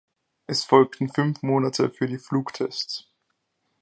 Es folgten fünf Monate für die Flugtests.